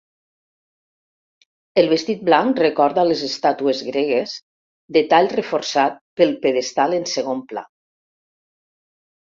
El vestit blanc recorda les estàtues gregues, detall reforçat pel pedestal en segon pla.